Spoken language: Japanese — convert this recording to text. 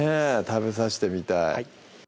食べさしてみたい